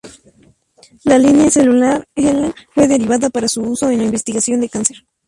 La línea celular HeLa fue derivada para su uso en la investigación del cáncer.